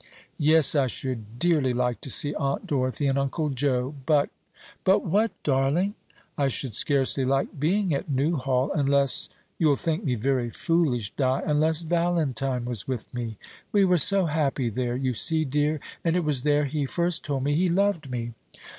"Yes, I should dearly like to see Aunt Dorothy and uncle Joe; but " "But what, darling?" "I should scarcely like being at Newhall, unless you'll think me very foolish, Di unless Valentine was with me. We were so happy there, you see, dear; and it was there he first told me he loved me.